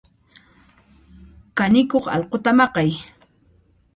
Kanikuq alquta maqay.